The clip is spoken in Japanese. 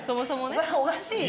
おかしいよ。